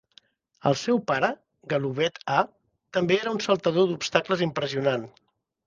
El seu pare, Galoubet A, també era un saltador d'obstacles impressionant.